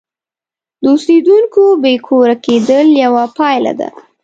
د اوسیدونکو بې کوره کېدل یوه پایله ده.